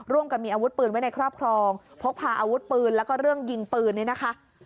กับมีอาวุธปืนไว้ในครอบครองพกพาอาวุธปืนแล้วก็เรื่องยิงปืนเนี่ยนะคะ